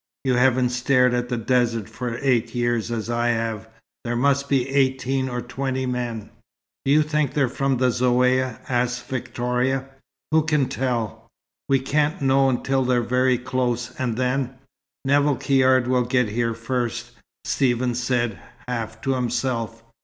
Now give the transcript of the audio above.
"You haven't stared at the desert for eight years, as I have. There must be eighteen or twenty men." "Do you think they're from the Zaouïa?" asked Victoria. "Who can tell? We can't know till they're very close, and then " "Nevill Caird will get here first," Stephen said, half to himself.